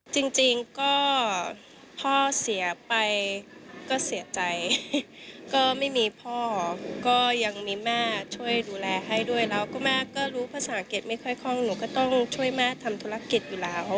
จริงจริงก็พ่อเสียไปก็เสียใจก็ไม่มีพ่อก็ยังมีแม่ช่วยดูแลให้ด้วยแล้ว